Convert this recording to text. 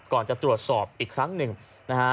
ก่อนจะตรวจสอบอีกครั้งหนึ่งนะฮะ